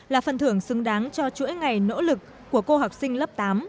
là phần thưởng xứng đáng cho chuỗi ngày nỗ lực của cô học sinh lớp tám